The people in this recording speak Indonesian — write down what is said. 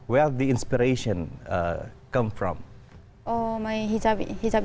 dari mana inspirasi anda terdapat